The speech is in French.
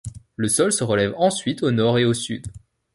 Le sol se relève ensuite au nord et au sud.